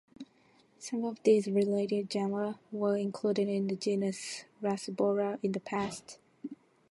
Some of these related genera were included in the genus "Rasbora" in the past.